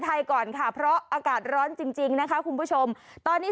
ไทยก่อนค่ะเพราะอากาศร้อนจริงจริงนะคะคุณผู้ชมตอนนี้